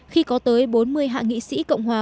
khi có tới bốn mươi hạ nghị sĩ cộng hòa